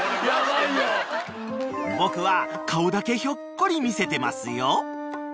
［僕は顔だけひょっこり見せてますよ］